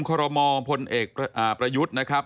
คอรมอลพลเอกประยุทธ์นะครับ